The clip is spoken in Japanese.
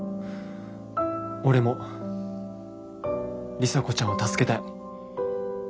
俺も里紗子ちゃんを助けたい。